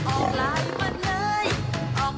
ออกลายมาเลยออกลายให้เห็น